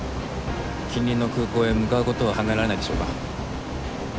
近隣の空港へ向かう事は考えられないでしょうか？